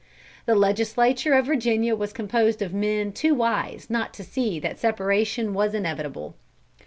"The Legislature of Virginia was composed of men too wise not to see that separation was inevitable.